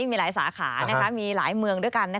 มีหลายสาขามีหลายเมืองด้วยกัน